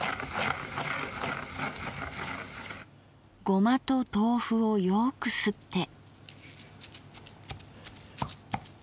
ゴマと豆腐をよくすって。